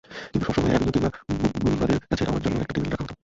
কিন্তু সবসময়েই অ্যাভিনিউ কিংবা ব্যুলভার্দের কাছে আমার জন্য একটা টেবিল রাখা থাকত।